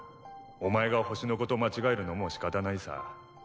お前が星の子と間違えるのも仕方ないさ。